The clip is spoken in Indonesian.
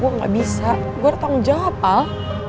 gue gak bisa gue ada tanggung jawab pal